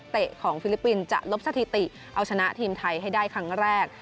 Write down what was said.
ของฟิลิปปินส์จะลบสถิติเอาชนะทีมไทยให้ได้ครั้งแรก